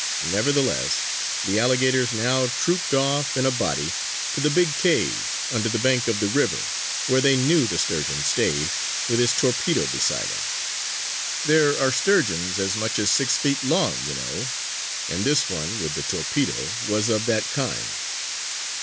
Nevertheless, the alligators now trouped off in a body to the big cave under the bank of the river where they knew the Sturgeon stayed, with his torpedo beside him. There are sturgeons as much as six feet long, you know, and this one with the torpedo was of that kind.